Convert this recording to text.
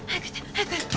早く早く！